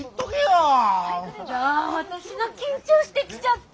あ私が緊張してきちゃった！